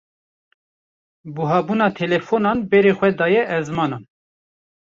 Buhabûna telefonan berê xwe daye ezmanan.